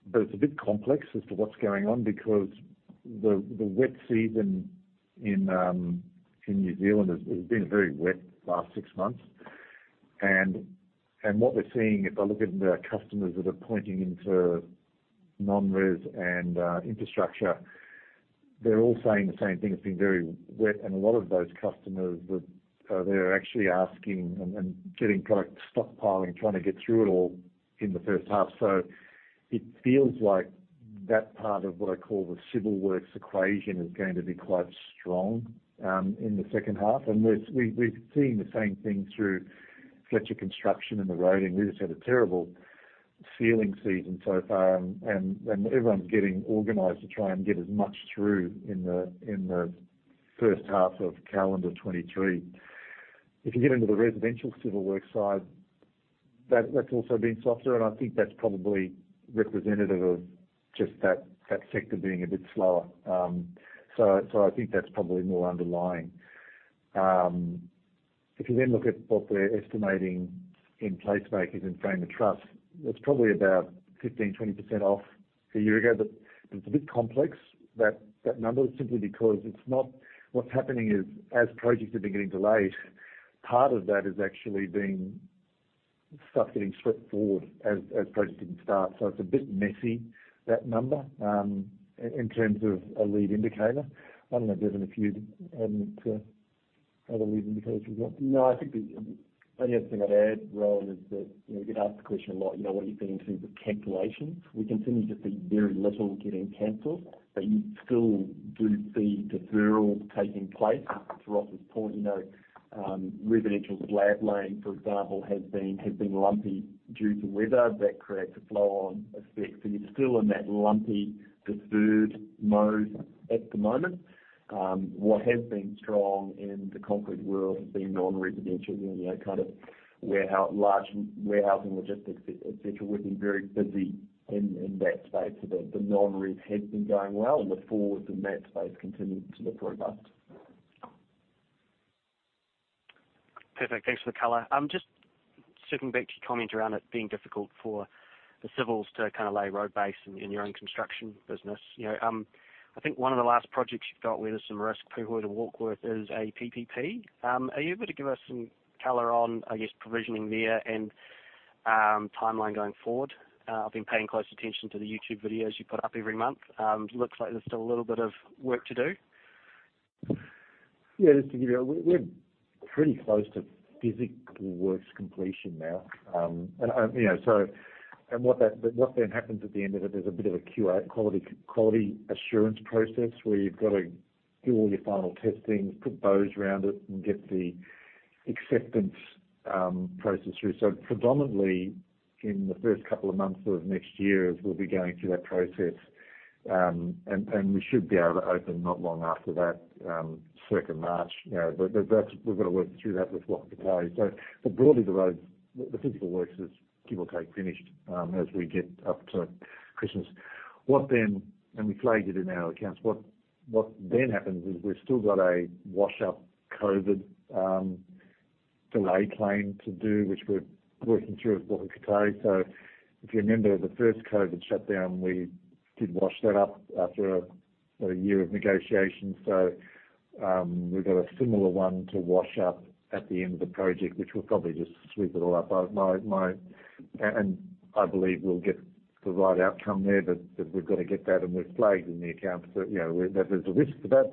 but it's a bit complex as to what's going on because the wet season in New Zealand has been very wet the last six months. What we're seeing, if I look at the customers that are pointing into non-res and infrastructure, they're all saying the same thing. It's been very wet. A lot of those customers that they're actually asking and getting product stockpiling, trying to get through it all in the first half. It feels like that part of what I call the civil works equation is going to be quite strong in the second half. We've seen the same thing through Fletcher Construction and the roading. We just had a terrible sealing season so far and everyone's getting organized to try and get as much through in the first half of calendar 2023. If you get into the residential civil works side, that's also been softer and I think that's probably representative of just that sector being a bit slower. I think that's probably more underlying. If you look at what we're estimating in PlaceMakers, in frame and truss, that's probably about 15%-20% off a year ago. It's a bit complex, that number, simply because it's not... What's happening is, as projects have been getting delayed, part of that is actually being stuff getting stripped forward as projects didn't start. It's a bit messy, that number, in terms of a lead indicator. I don't know, Bevan, if you'd add. No, I think the only other thing I'd add, Rohan, is that, you know, we get asked the question a lot, you know, what do you see in terms of cancellations? We continue to see very little getting canceled, but you still do see deferrals taking place. To Ross's point, you know, residential slab laying, for example, has been lumpy due to weather. That creates a flow-on effect. You're still in that lumpy deferred mode at the moment. What has been strong in the concrete world has been non-residential, you know, kind of warehouse, large warehousing, logistics, et cetera. We've been very busy in that space. The non-res has been going well, and the forwards in that space continue to look robust. Perfect. Thanks for the color. Just circling back to your comment around it being difficult for the civils to kind of lay road base in your own construction business. You know, I think one of the last projects you've got where there's some risk, Pūhoi to Warkworth is a PPP. Are you able to give us some color on, I guess, provisioning there and, timeline going forward? I've been paying close attention to the YouTube videos you put up every month. Looks like there's still a little bit of work to do. Yeah, just to give you. We're pretty close to physical works completion now. You know, what then happens at the end of it is a bit of a QA, quality assurance process where you've got to do all your final testing, put bows around it and get the acceptance process through. Predominantly in the first couple of months of next year, we'll be going through that process, and we should be able to open not long after that, 2nd March. You know, that's, we've got to work through that with Waka Kotahi. Broadly the road, the physical work is give or take finished as we get up to Christmas. What then, and we flagged it in our accounts, what then happens is we've still got a wash-up COVID delay claim to do, which we're working through with Waka Kotahi. If you remember the first COVID shutdown, we did wash that up after a year of negotiations. We've got a similar one to wash up at the end of the project, which we'll probably just sweep it all up. I believe we'll get the right outcome there, but we've got to get that, and we've flagged in the accounts that, you know, that there's a risk for that.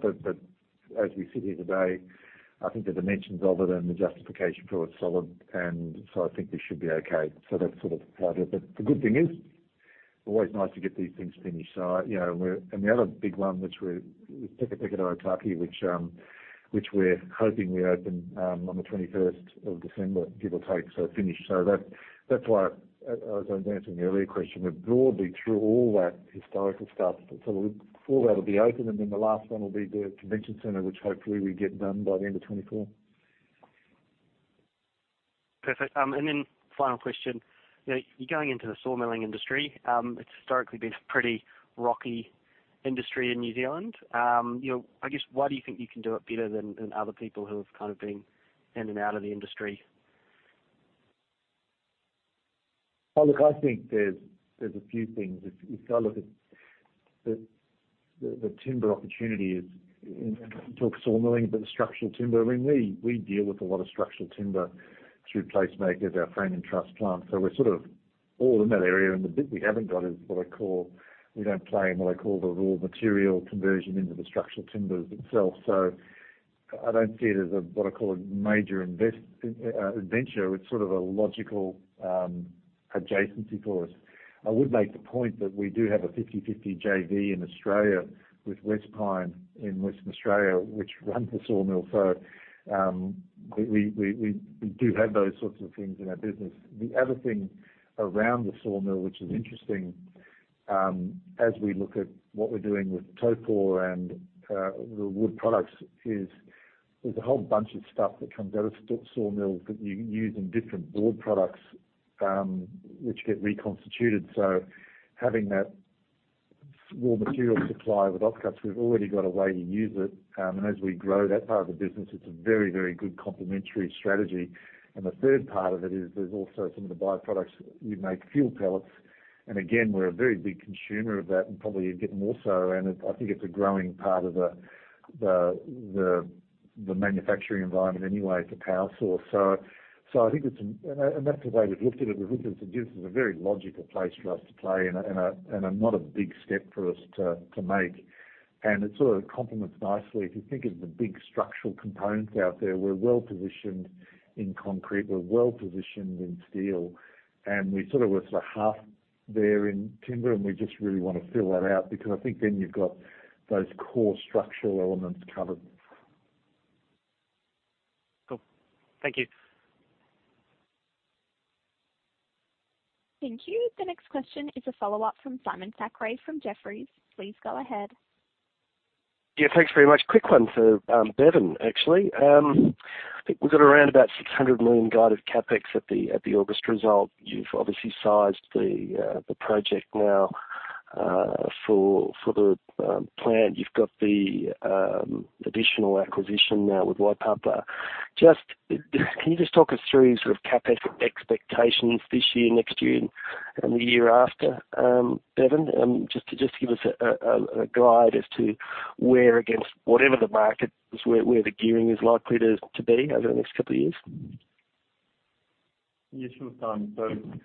As we sit here today, I think the dimensions of it and the justification for it's solid. I think we should be okay. That's sort of how it is. The good thing is, always nice to get these things finished. You know, And the other big one, which we're Peka Peka to Ōtaki which we're hoping we open on the 21st of December, give or take. Finished. That's, that's why, as I was answering the earlier question, we're broadly through all that historical stuff. All that'll be open and then the last one will be the convention center, which hopefully we get done by the end of 2024. Perfect. Then final question. You know, you're going into the sawmilling industry. It's historically been a pretty rocky industry in New Zealand. You know, I guess why do you think you can do it better than other people who have kind of been in and out of the industry? Look, I think there's a few things. If I look at the timber opportunity is, you know, not just sawmilling, but the structural timber. I mean, we deal with a lot of structural timber through PlaceMakers, our frame and truss plant. We're sort of all in that area. The bit we haven't got is what I call, we don't play in what I call the raw material conversion into the structural timbers itself. I don't see it as a, what I call a major adventure. It's sort of a logical adjacency for us. I would make the point that we do have a 50/50 JV in Australia with Wespine in Western Australia, which run the sawmill. We do have those sorts of things in our business. The other thing around the sawmill, which is interesting, as we look at what we're doing with the Taupō and the wood products is there's a whole bunch of stuff that comes out of sawmills that you use in different board products, which get reconstituted. Having that raw material supply with offcuts, we've already got a way to use it. And as we grow that part of the business, it's a very, very good complementary strategy. The third part of it is there's also some of the byproducts, you make fuel pellets. Again, we're a very big consumer of that and probably are getting more so. I think it's a growing part of the manufacturing environment anyway. It's a power source. I think it's an. That's the way we've looked at it. We've looked at it as a very logical place for us to play and a not a big step for us to make. It sort of complements nicely. If you think of the big structural components out there, we're well-positioned in concrete, we're well-positioned in steel, and we sort of were half there in timber, and we just really wanna fill that out because I think then you've got those core structural elements covered. Cool. Thank you. Thank you. The next question is a follow-up from Simon Thackray from Jefferies. Please go ahead. Yeah, thanks very much. Quick one for Bevan, actually. I think we've got around about 600 million guide of CapEx at the August result. You've obviously sized the project now for the plan. You've got the additional acquisition now with Waipapa. Just can you just talk us through sort of CapEx expectations this year, next year and the year after, Bevan? Just to just give us a guide as to where against whatever the market is, where the gearing is likely to be over the next couple of years. Yeah, sure, Simon.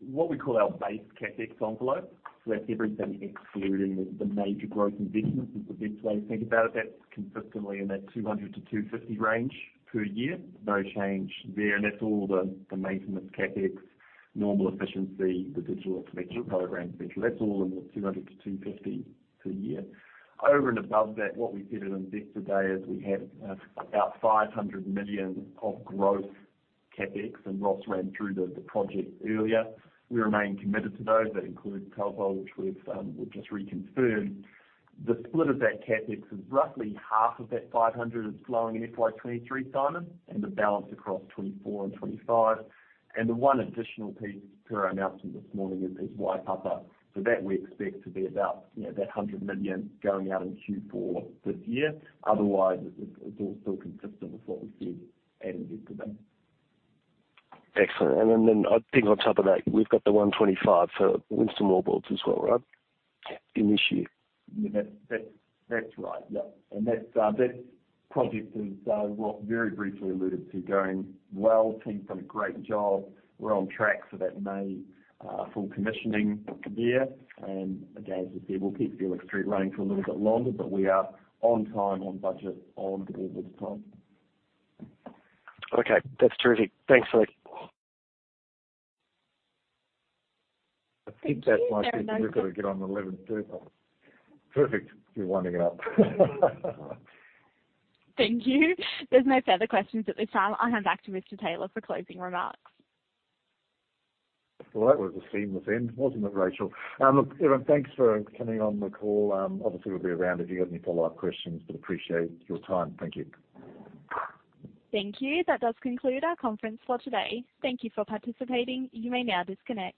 What we call our base CapEx envelope, so that's everything excluding the major growth investments, is the best way to think about it. That's consistently in that 200-250 range per year. No change there. That's all the maintenance CapEx, normal efficiency, the digital transformation programs. That's all in the 200-250 per year. Over and above that, what we said at Invest Day is we have about 500 million of growth CapEx, and Ross ran through the projects earlier. We remain committed to those. That includes Tradelink, which we've just reconfirmed. The split of that CapEx is roughly half of that 500 is flowing in FY 2023, Simon, and the balance across 2024 and 2025. The one additional piece per our announcement this morning is Waipapa. That we expect to be about, you know, that 100 million going out in Q4 this year. Otherwise, it's all still consistent with what we said at Investor Day. Excellent. Then I think on top of that, we've got the 125 for Winstone Wallboards as well, right? In this year. Yeah, that's right, yeah. That project is what very briefly alluded to going well. Team's done a great job. We're on track for that May full commissioning there. Again, as I said, we'll keep the Felix Street running for a little bit longer, but we are on time, on budget, on delivery time. Okay. That's terrific. Thanks, Nick. I think that's my cue. We've got to get on the 11:30 A.M. Perfect. You're winding it up. Thank you. There's no further questions at this time. I'll hand back to Mr. Taylor for closing remarks. Well, that was a seamless end, wasn't it, Rachel? Look, everyone, thanks for coming on the call. Obviously we'll be around if you've got any follow-up questions, but appreciate your time. Thank you. Thank you. That does conclude our conference for today. Thank you for participating. You may now disconnect.